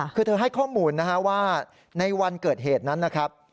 คือเธอให้ข้อมูลนะฮะว่าในวันเกิดเหตุนั้นนะครับ